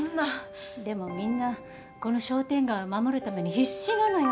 でもみんなこの商店街を守るために必死なのよ。